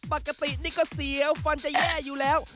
ปกตินี่ก็เสียวฟันจะแย่อยู่แล้ว